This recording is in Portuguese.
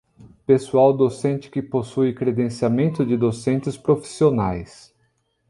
Pessoal docente que possui credenciamento de docentes profissionais.